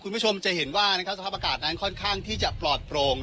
คุณผู้ชมจะเห็นว่าสภาพอากาศนั้นค่อนข้างที่จะปลอดโปร่ง